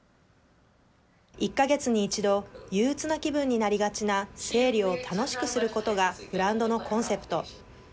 １か月に一度憂うつな気分になりがちな生理を楽しくするすることがブランドのコンセプト。